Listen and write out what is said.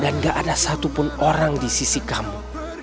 dan gak ada satupun orang di sisi kamu